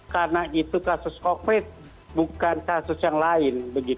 karena itu kasus covid bukan kasus yang lain begitu